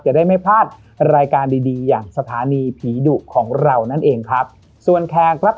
จะได้ไม่พลาดรายการดีอย่างสถานีผีดุของเรานั้นเองครับ